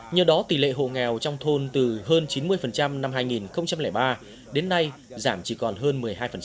nhờ đó tỷ lệ hộ nghèo trong thôn từ hơn chín mươi năm hai nghìn ba đến nay giảm chỉ còn hơn một mươi hai